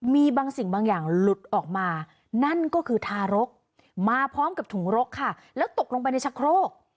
มีบางสิ่งบางอย่างหลุดออกมานั่นก็คือทารกมาพร้อมกับถุงรกค่ะแล้วตกลงไปในชะโครก